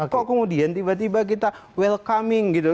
kok kemudian tiba tiba kita welcoming gitu